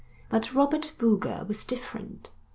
But Robert Boulger was different.